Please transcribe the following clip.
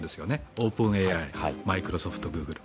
オープンＡＩ、マイクロソフトグーグル。